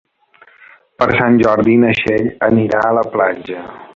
Per Sant Jordi na Txell anirà a la platja.